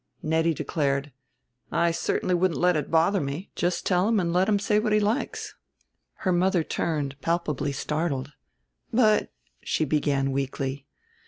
Nettie declared, "I certainly wouldn't let it bother me. Just tell him and let him say what he likes." Her mother turned palpably startled. "But ", she began weakly.